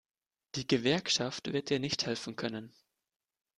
Die Gewerkschaft wird dir nicht helfen können.